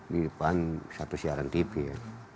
di depan satu siaran tv ya